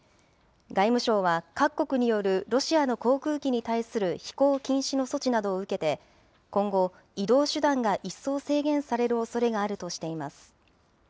外務省は、各国によるロシアの航空機に対する飛行禁止の措置などを受けて、今後、移動手段が一層制限されるおそれがあるとしています。